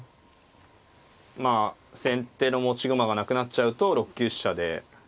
まあ先手の持ち駒がなくなっちゃうと６九飛車で。